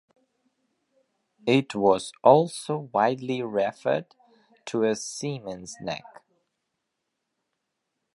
It was also widely referred to as Seaman's Neck.